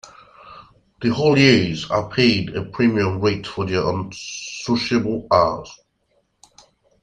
The hauliers are paid a premium rate for their unsociable hours.